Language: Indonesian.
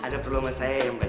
ada perlengkah saya ya mbak